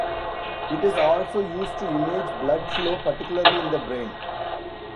It is also used to image blood flow, particularly in the brain.